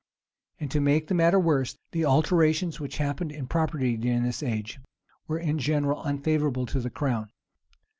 And, to make the matter worse, the alterations which happened in property during this age, were in general unfavorable to the crown.